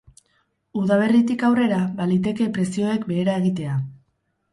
Udaberritik aurrera, baliteke prezioek behera egitea.